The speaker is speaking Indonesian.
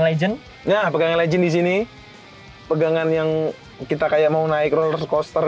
ini pegangan legend pegangan yang kita mau naik roller coaster